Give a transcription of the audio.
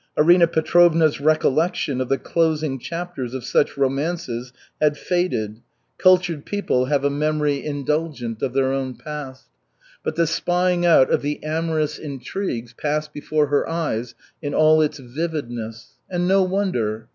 Arina Petrovna's recollection of the closing chapters of such romances had faded (cultured people have a memory indulgent of their own past), but the spying out of the amorous intrigues passed before her eyes in all its vividness. And no wonder.